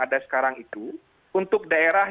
ada sekarang itu untuk daerah